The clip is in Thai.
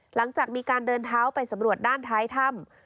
หลังจากมีการเดินเท้าไปสำรวจด้านท้ายถ้ำ